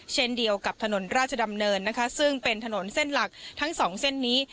เช่นเดียวกับถนนราชดำเนินนะคะซึ่งเป็นถนนเส้นหลักทั้งสองเส้นนี้